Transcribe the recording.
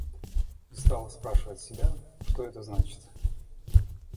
И стала спрашивать себя, что это значит.